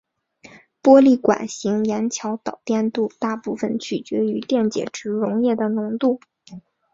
玻璃管型盐桥导电度大部分取决于电解质溶液的浓度。